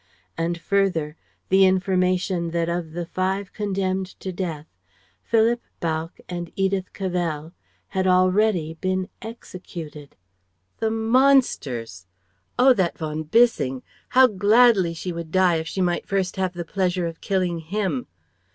And further, the information that of the five condemned to death, Philip Bauck and Edith Cavell had already been executed. The monsters! Oh that von Bissing. How gladly she would die if she might first have the pleasure of killing him!